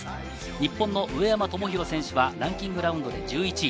日本の上山友裕選手はランキングラウンドで１１位。